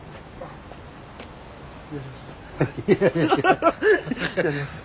やります。